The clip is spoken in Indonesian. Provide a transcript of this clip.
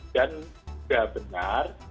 dan sudah benar